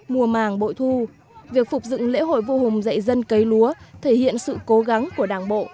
mùa màng bội thu việc phục dựng lễ hội vô hùng dậy dân cấy lúa thể hiện sự cố gắng của đảng bộ